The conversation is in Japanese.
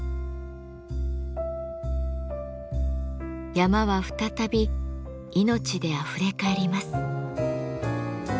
山は再び命であふれかえります。